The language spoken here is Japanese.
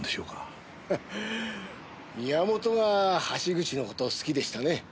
宮本が橋口の事を好きでしたね。